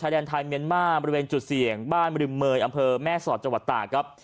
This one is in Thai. แดนไทยเมียนมาร์บริเวณจุดเสี่ยงบ้านบริมเมย์อำเภอแม่สอดจังหวัดตากครับ